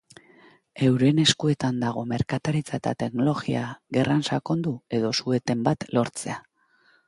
Euren eskuetan dago merkataritza eta teknologia gerran sakondu edo su eten bat lortzea.